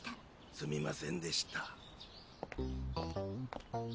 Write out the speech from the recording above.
すみませんでした。